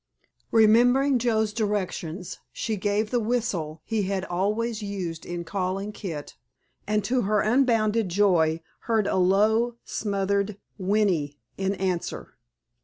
Remembering Joe's directions she gave the whistle he had always used in calling Kit, and to her unbounded joy heard a low, smothered whinny in answer.